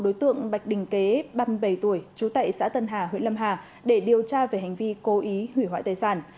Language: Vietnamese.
đối tượng bạch đình kế ba mươi bảy tuổi trú tại xã tân hà huyện lâm hà để điều tra về hành vi cố ý hủy hoại tài sản